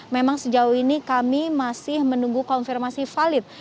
memang sejauh ini kami masih menunggu konfirmasi valid